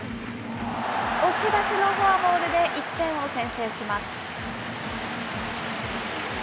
押し出しのフォアボールで１点を先制します。